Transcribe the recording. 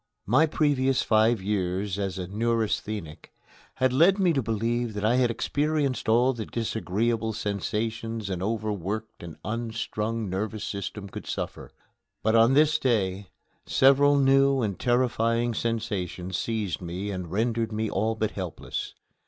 My previous five years as a neurasthenic had led me to believe that I had experienced all the disagreeable sensations an overworked and unstrung nervous system could suffer. But on this day several new and terrifying sensations seized me and rendered me all but helpless.